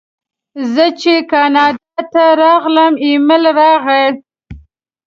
زه چې کاناډا ته راغلم ایمېل راغی.